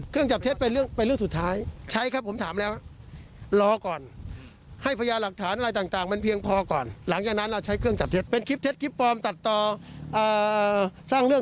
เครื่องจับเท็จเป็นเรื่องสุดท้าย